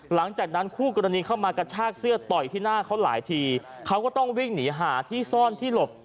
หลังจากนั้นคู่กรณีเข้ามากระชากเสื้อต่อยที่หน้าเขาหลายทีเขาก็ต้องวิ่งหนีหาที่ซ่อนที่หลบ